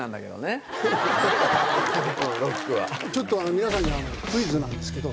皆さんにクイズなんですけど。